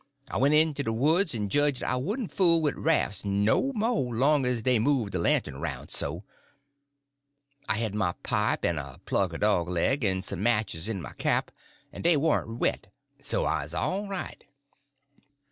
I went into de woods en jedged I wouldn' fool wid raffs no mo', long as dey move de lantern roun' so. I had my pipe en a plug er dog leg, en some matches in my cap, en dey warn't wet, so I 'uz all right."